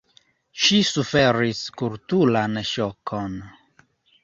Ŝi suferis kulturan ŝokon.